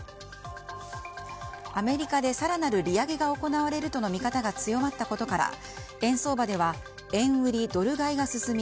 アメリカで更なる利上げが行われるとの見方が強まったことから円相場では円売りドル買いが進み